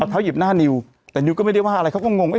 เท้าหยิบหน้านิวแต่นิวก็ไม่ได้ว่าอะไรเขาก็งง